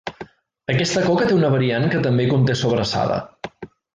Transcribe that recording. Aquesta coca té una variant que també conté sobrassada.